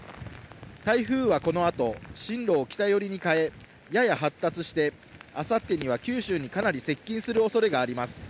台風はこの後、進路を北寄りに変え、やや発達して、あさってには九州にかなり接近する恐れがあります。